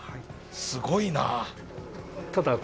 すごいな。